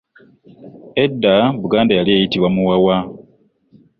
Edda Buganda yali eyitibwa Muwawa.